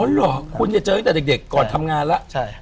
เหรอคุณจะเจอตั้งแต่เด็กก่อนทำงานแล้ว